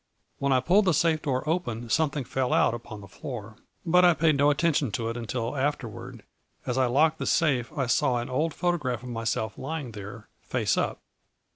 " When I pulled the safe door open some thing fell out upon the floor, but I paid no at tention to it until afterward ; as I locked the safe I saw an old photograph of myself lying there, face up.